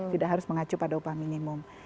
tidak harus mengacu pada upah minimum